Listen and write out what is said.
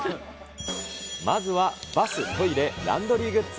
まずはバス・トイレ・ランドリーグッズ